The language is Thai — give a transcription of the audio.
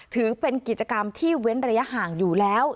ถือเป็นกิจกรรมที่เว้นระยะห่างอยู่แล้ว